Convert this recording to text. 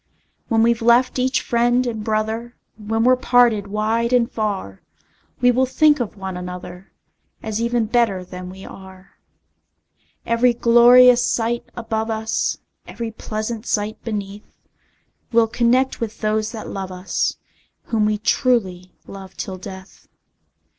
When we've left each friend and brother, When we're parted wide and far, We will think of one another, As even better than we are. Every glorious sight above us, Every pleasant sight beneath, We'll connect with those that love us, Whom we truly love till death!